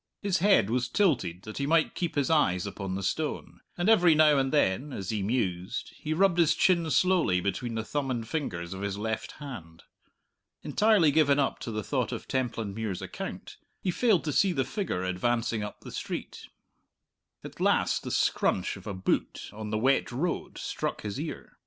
His head was tilted that he might keep his eyes upon the stone; and every now and then, as he mused, he rubbed his chin slowly between the thumb and fingers of his left hand. Entirely given up to the thought of Templandmuir's account, he failed to see the figure advancing up the street. At last the scrunch of a boot on the wet road struck his ear.